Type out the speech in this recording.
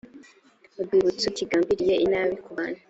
urwibutso kigambiriye inabi ku bantu